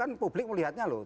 nah publik melihatnya loh